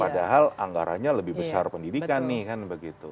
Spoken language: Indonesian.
padahal anggarannya lebih besar pendidikan nih kan begitu